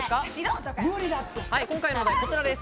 今回のお題はこちらです。